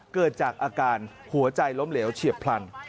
เกิดจากอาการหัวใจล้มเหลวเฉียบพลัน